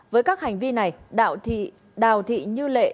với các hành vi này đào thị như lệ